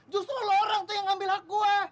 justru lo orang tuh yang ngambil hak gue